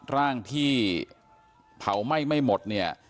ร่างที่เผาไหม้ไม่หมดเนี่ย